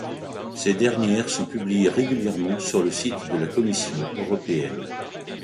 Ces dernières sont publiées régulièrement sur le site de la Commission Européenne.